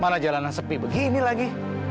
mana jalanan sepi begini lagi